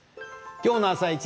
今日の「あさイチ」